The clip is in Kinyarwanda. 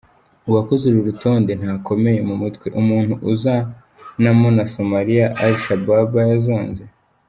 Uwakoze uru rutonnde ntakomeye mu mutwe umuntu uzanamo na somalia alshababa yazonze.